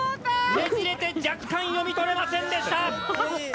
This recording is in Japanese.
ねじれて若干読み取れませんでした！